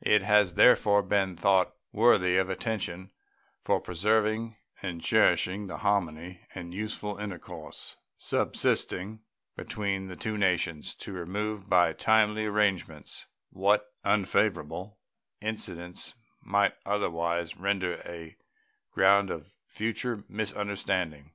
It has therefore been thought worthy of attention for preserving and cherishing the harmony and useful intercourse subsisting between the two nations to remove by timely arrangements what unfavorable incidents might otherwise render a ground of future misunderstanding.